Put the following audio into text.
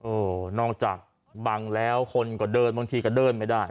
โอ้นอกจากบางคนก็เดินบางทีก็เดินไม่ได้